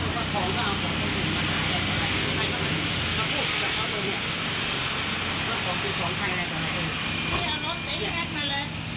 เช้งเท่าไหร่